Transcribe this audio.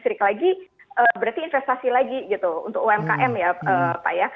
kalau mereka mau beli motor listrik lagi berarti investasi lagi gitu untuk umkm ya pak ya